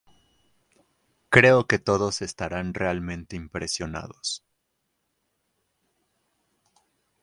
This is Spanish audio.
Creo que todos estarán realmente impresionados.